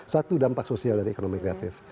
satu dampak sosial dari ekonomi kreatif